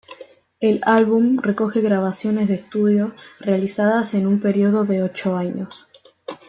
El álbum recoge grabaciones de estudio realizadas en un periodo de ocho años.